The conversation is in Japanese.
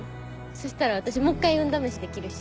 そしたら私もう一回運試しできるし。